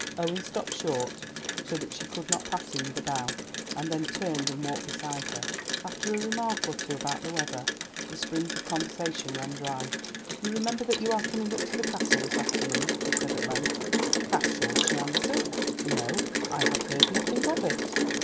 Owen stopped short so that she could not pass him with a bow, and then turned and walked beside her. After a remark or two about the weather, the springs of conversation ran dry. "You remember that you are coming up to the Castle this afternoon?" he said, at length. "To the Castle!" she answered. "No, I have heard nothing of it."